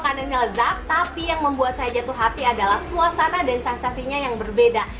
makannya lezat tapi yang membuat saya jatuh hati adalah suasana dan sensasinya yang berbeda